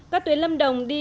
các tuyến lâm đồng đi